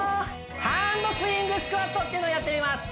ハンドスイングスクワットっていうのをやってみます